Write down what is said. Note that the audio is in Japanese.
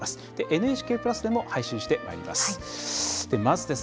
ＮＨＫプラスでも配信してまいります。